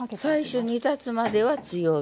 最初煮立つまでは強火。